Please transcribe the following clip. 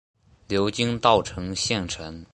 流经稻城县城。